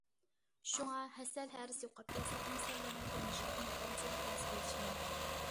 شۇڭا، ھەسەل ھەرىسى يوقاپ كەتسە، ئىنسانلارنىڭ تۇرمۇشىغا ئىنتايىن چوڭ تەسىر يېتىشى مۇمكىن.